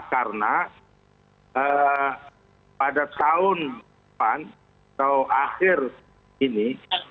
karena pada tahun depan atau akhir ini